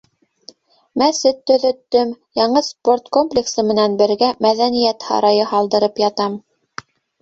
Мәсет төҙөттөм, яңы спорт комплексы менән бергә Мәҙәниәт һарайы һалдырып ятам.